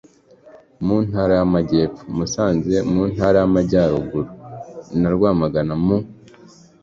mu ntara y amajyepfo musanze mu ntara y amajyaruguru na rwamagana mu